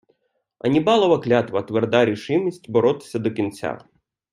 Аннібалова клятва — тверда рішимість боротися до кінця